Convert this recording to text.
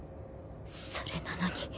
それなのに。